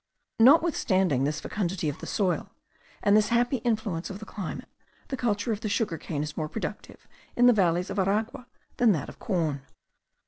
Notwithstanding this fecundity of the soil, and this happy influence of the climate, the culture of the sugar cane is more productive in the valleys of Aragua than that of corn.